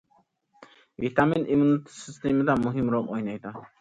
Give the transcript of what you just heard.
ۋىتامىن ئىممۇنىتېت سىستېمىسىدا مۇھىم رول ئوينايدۇ.